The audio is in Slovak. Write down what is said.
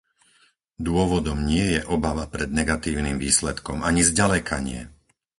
Dôvodom nie je obava pred negatívnym výsledkom, ani zďaleka nie!